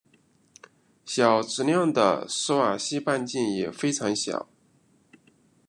小质量的史瓦西半径也非常小。